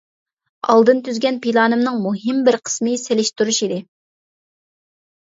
ئالدىن تۈزگەن پىلانىمنىڭ مۇھىم بىر قىسمى سېلىشتۇرۇش ئىدى.